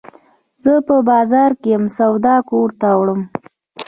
زه په بازار کي یم، سودا کور ته وړم.